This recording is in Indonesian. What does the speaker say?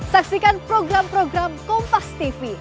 saksikan program program kompas tv